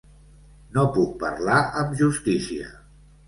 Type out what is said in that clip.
No puc parlar amb justícia.